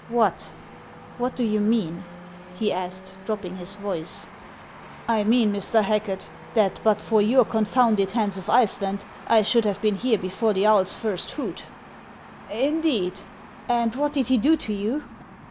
" What ! What do you mean ?" he asked, dropping his voice. " I mean, Mr. Hacket, that but for your confounded Hans of Iceland I should have been here before the owl's first hoot." " Indeed ! and what did he do to you